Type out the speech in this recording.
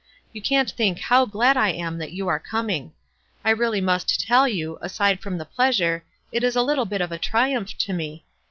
You can't think how glad I am that you are coming. I really must tell you, aside from the pleasure, it is a little bit of a triumph to me.